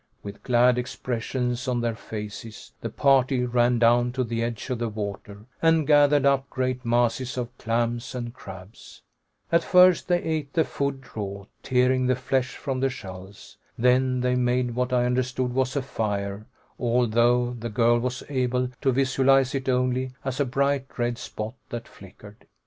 With glad expressions on their faces, the party ran down to the edge of the water and gathered up great masses of clams and crabs. At first they ate the food raw, tearing the flesh from the shells. Then they made what I understood was a fire, although the girl was able to visualize it only as a bright red spot that flickered.